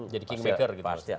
jadi kingmaker gitu